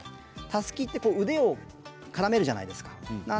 たすきは腕をからめるじゃないですか。